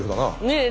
ねえ